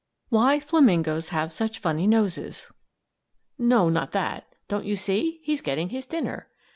WHY FLAMINGOES HAVE SUCH FUNNY NOSES No, not that. Don't you see, he's getting his dinner?